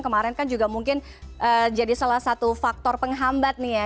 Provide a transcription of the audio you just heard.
kemarin kan juga mungkin jadi salah satu faktor penghambat nih ya